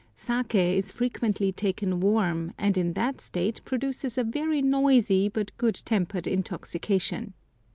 Saké is frequently taken warm, and in that state produces a very noisy but good tempered intoxication.